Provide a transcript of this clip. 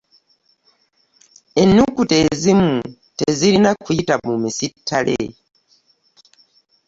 Ennukuta ezimu tezirina kuyita mu mu sittale.